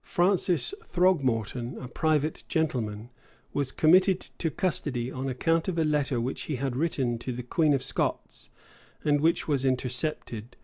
Francis Throgmorton, a private gentleman, was committed to custody, on account of a letter which he had written to the queen of Scots, and which was intercepted.